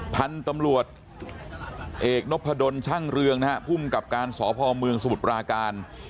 พันธุ์ตำรวจเอกนพดลช่างเรืองนะฮะภูมิกับการสพเมืองสมุทรปราการ